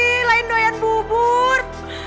ini lain doyan bubur